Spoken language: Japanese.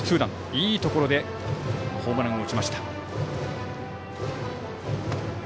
いいところでホームランを打ちました。